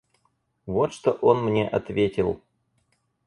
Вот что он мне ответил.